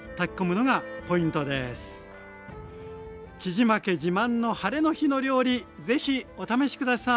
杵島家自慢のハレの日の料理是非お試し下さい。